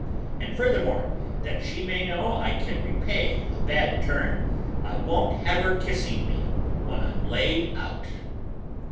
And furthermore, that she may know I can repay a bad turn, I won't have her kissing me when I'm laid out!"